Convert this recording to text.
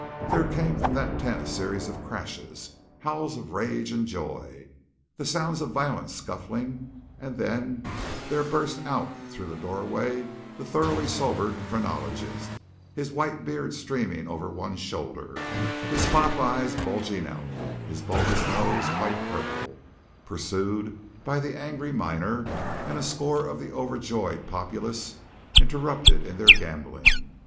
There came from that tent a series of crashes, howls of rage and joy, the sounds of violent scuffling, and then there burst out through the doorway the thoroughly sobered phrenologist, his white beard streaming over one shoulder, his pop eyes bulging out, his bulbous nose quite purple, pursued by the angry miner and a score of the overjoyed populace interrupted in their gambling.